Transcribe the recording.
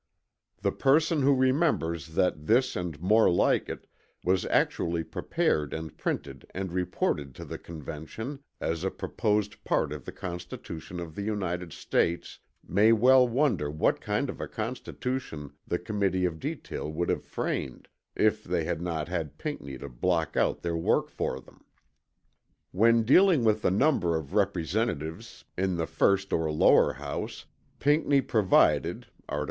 The person who remembers that this and more like it, was actually prepared and printed and reported to the Convention as a proposed part of the Constitution of the United States, may well wonder what kind of a Constitution the Committee of Detail would have framed, if they had not had Pinckney to block out their work for them. When dealing with the number of representatives in the first or lower house, Pinckney provided (Art.